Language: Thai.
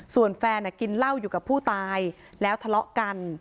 ส่วนแฟนกินเหล้าอยู่กับผู้ตายแล้วทะเลาะกัน